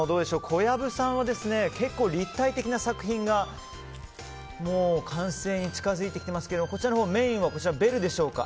小籔さんは結構立体的な作品が完成に近づいてきていますがメインはベルでしょうか？